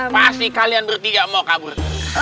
pasti kalian bertiga mau kabur